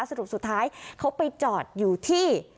สรุปสุดท้ายเขาไปจอดอยู่ที่